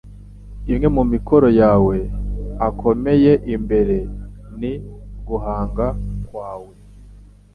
Imwe mumikoro yawe akomeye imbere ni guhanga kwawe.